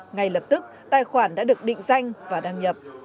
ngay lập tức tài khoản đã được định danh và đăng nhập